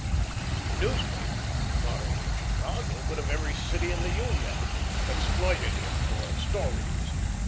The newspapers, not only of Chicago, but of every city in the Union, exploited him for "stories."